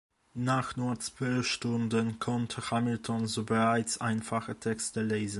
Nach nur zwölf Stunden konnte Hamilton so bereits einfache Texte lesen.